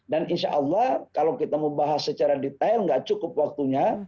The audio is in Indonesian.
dan insya allah kalau kita mau bahas secara detail nggak cukup waktunya